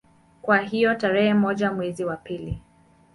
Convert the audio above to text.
Kwa hiyo tarehe moja mwezi wa pili